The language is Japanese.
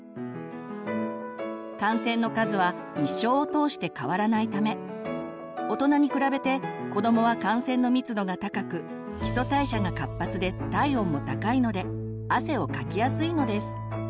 汗腺の数は一生を通して変わらないため大人に比べて子どもは汗腺の密度が高く基礎代謝が活発で体温も高いので汗をかきやすいのです。